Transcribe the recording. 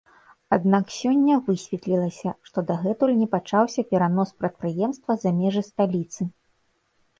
Аднак сёння высветлілася, што дагэтуль не пачаўся перанос прадпрыемства за межы сталіцы.